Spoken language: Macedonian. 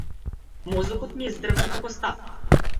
Мозокот ми е здрвен како стап.